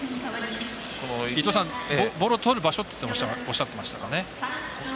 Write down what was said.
伊東さん、ボールをとる場所っておっしゃっていましたかね。